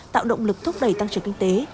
tạo động lực thúc đẩy tăng trưởng kinh tế